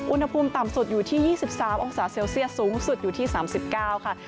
อุณหภูมิต่ำสุดอยู่ที่๒๓องศาเซลเซียสสูงสุดอยู่ที่๓๙ค่ะ